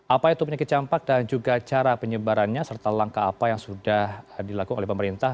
apa itu penyakit campak dan juga cara penyebarannya serta langkah apa yang sudah dilakukan oleh pemerintah